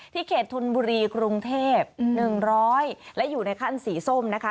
เขตธนบุรีกรุงเทพ๑๐๐และอยู่ในขั้นสีส้มนะคะ